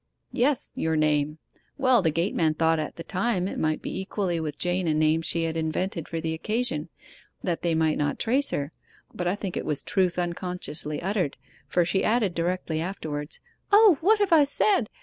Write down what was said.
'Yes your name. Well, the gateman thought at the time it might be equally with Jane a name she had invented for the occasion, that they might not trace her; but I think it was truth unconsciously uttered, for she added directly afterwards: "O, what have I said!"